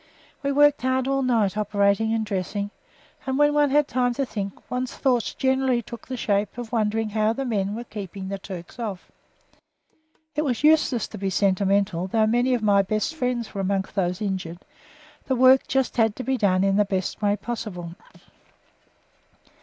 We worked hard all night operating and dressing, and when one had time to think, one's thoughts generally took the shape of wondering how the men were keeping the Turks off. It was useless to be sentimental, although many of my friends were amongst those injured; the work just had to be done in the best way possible.